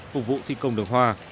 phục vụ thi công đường hoa